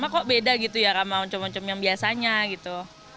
kok beda gitu ya sama oncom oncom yang biasanya gitu